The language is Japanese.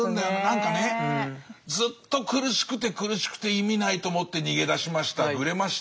なんかねずっと苦しくて苦しくて意味ないと思って逃げ出しましたぐれました。